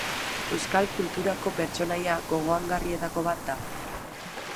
Euskal kulturako pertsonaia gogoangarrietako bat da.